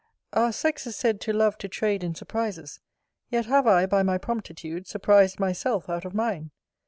Our sex is said to love to trade in surprises: yet have I, by my promptitude, surprised myself out of mine.